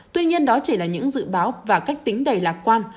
tuy nhiên đó chỉ là những dự báo và cách tính đầy lạc quan